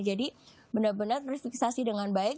jadi benar benar restriksasi dengan baik